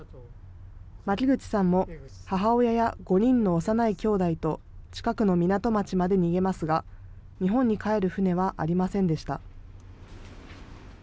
巻口さんも母親や５人の幼いきょうだいと、近くの港町まで逃げますが、日本に帰る船はありませんでした。